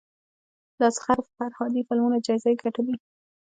د اصغر فرهادي فلمونه جایزې ګټلي.